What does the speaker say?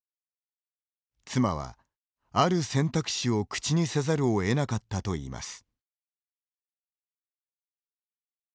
妻は、ある選択肢を口にせざるを得なかったといいます。